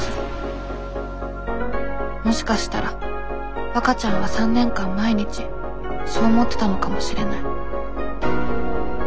もしかしたらわかちゃんは３年間毎日そう思ってたのかもしれない。